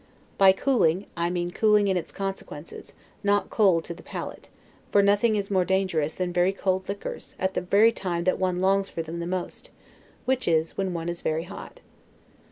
By cooling, I mean cooling in its consequences, not cold to the palate; for nothing is more dangerous than very cold liquors, at the very time that one longs for them the most; which is, when one is very hot.